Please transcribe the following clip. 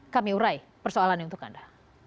kami urai persoalannya untuk anda